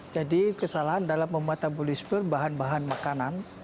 jadi kesalahan dalam memetabolisme bahan bahan makanan